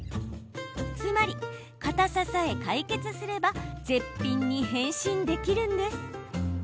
つまり、かたささえ解決すれば絶品に変身できるんです。